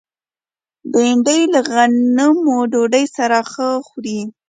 بېنډۍ له غنمو ډوډۍ سره ښه خوري